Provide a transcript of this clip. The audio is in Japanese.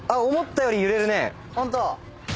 ホント？